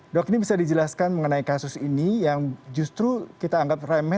dok ini bisa dijelaskan mengenai kasus ini yang justru kita anggap remeh